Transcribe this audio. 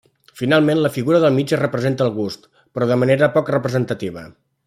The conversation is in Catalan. Finalment la figura del mig representa el gust, però de manera poc representativa.